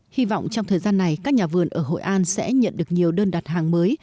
hy vọng trong thời gian này các nhà vườn ở hội an sẽ nhận được nhiều đơn đặt hàng mới